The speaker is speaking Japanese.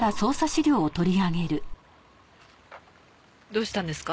どうしたんですか？